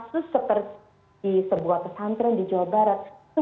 kasus seperti di sebuah pesantren di jawa barat